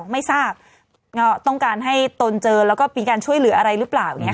ไม่ทราบก็ต้องการให้ตนเจอแล้วก็มีการช่วยเหลืออะไรหรือเปล่า